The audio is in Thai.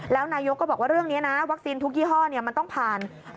แล้วนายกก็บอกว่าเรื่องนี้นะวัคซีนทุกยี่ห้อมันต้องผ่าน